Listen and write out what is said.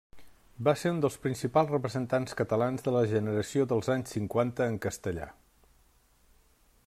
Va ser un dels principals representants catalans de la Generació dels Anys Cinquanta en castellà.